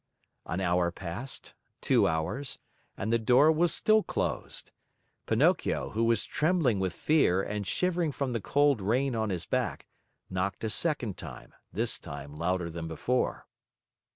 An hour passed, two hours; and the door was still closed. Pinocchio, who was trembling with fear and shivering from the cold rain on his back, knocked a second time, this time louder than before.